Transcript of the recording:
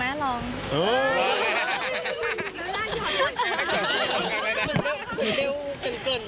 มันเร็วเกินเหมือนกันนะครับ